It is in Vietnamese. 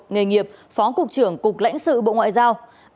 nghề nghiệp phó cục trưởng cục lãnh sự bộ ngoại giao